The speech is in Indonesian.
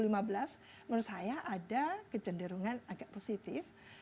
menurut saya ada kecenderungan agak positif